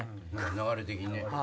流れ的にね。